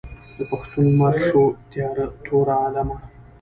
د پښتون لمر شو تیاره تور عالمه.